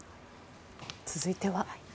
続いては。